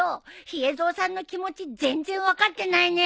ヒエゾウさんの気持ち全然分かってないね。